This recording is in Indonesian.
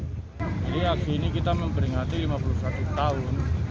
jadi aksi ini kita memberingati lima puluh satu tahun